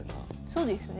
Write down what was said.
そうですね。